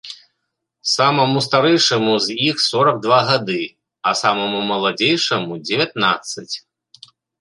Самаму старэйшаму з іх сорак два гады, а самаму маладзейшаму дзевятнаццаць.